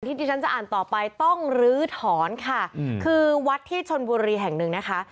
ที่ที่ฉันจะอ่านต่อไปต้องลื้อถอนค่ะคือวัดที่ชนบุรีแห่งหนึ่งนะคะ